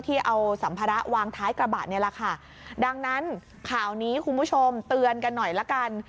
ที่เอาสัมภาระวางท้ายกระบะนี่แหละค่ะดังนั้นข่าวนี้คุณผู้ชมเตือนกันหน่อยละกัน